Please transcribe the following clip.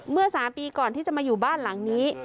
เมื่อ๓ปีก่อนที่จะมาอยู่บ้านหลังนี้